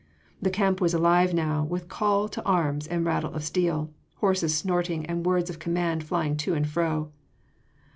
The camp was alive now with call to arms and rattle of steel, horses snorting and words of command flying to and fro.